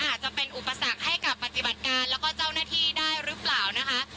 อาจจะเป็นอุปสรรคให้กับปฏิบัติการแล้วก็เจ้าหน้าที่ได้หรือเปล่านะคะ